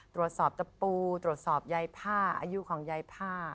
ตะปูตรวจสอบยายผ้าอายุของยายผ้า